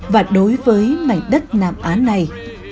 và đối với mảnh đất nam á này